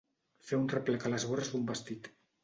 Fer un replec a les vores d'un vestit.